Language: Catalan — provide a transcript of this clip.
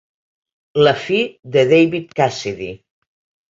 La fi de David Cassidy.